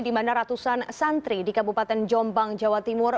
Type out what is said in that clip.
di mana ratusan santri di kabupaten jombang jawa timur